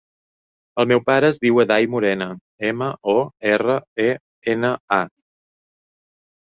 El meu pare es diu Aday Morena: ema, o, erra, e, ena, a.